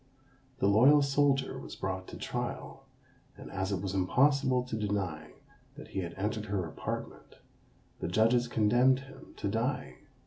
The loyal soldier was brought to trial; and as it was impossible to deny that he had entered her apartment, the judges condemned him to die!